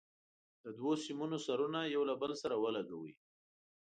د دوو سیمونو سرونه یو له بل سره ولګوئ.